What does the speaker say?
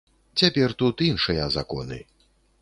Цяпер тут іншыя законы.